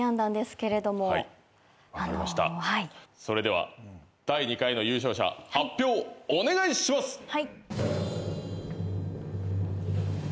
それでは第２回の優勝者発表お願いします！